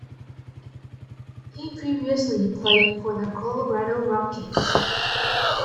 He previously played for the Colorado Rockies.